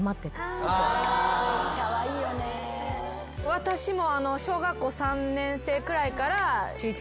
私も。